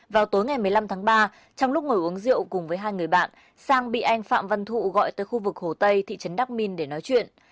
vào tối ngày một mươi năm tháng ba trong lúc ngồi uống rượu cùng với hai người bạn sang bị anh phạm văn thụ gọi tới khu vực hồ tây thị trấn đắc minh để nói chuyện